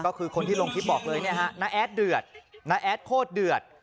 ก็คือคนที่ลงคลิปบอกเลยเนี่ยฮะน้าแอดเดือดน้าแอดโคตรเดือด